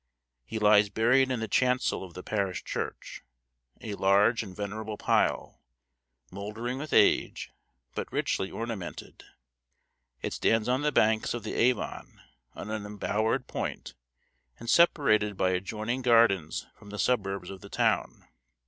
He lies buried in the chancel of the parish church, a large and venerable pile, mouldering with age, but richly ornamented. It stands on the banks of the Avon on an embowered point, and separated by adjoining gardens from the suburbs of the town.